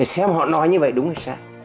xem họ nói như vậy đúng hay sai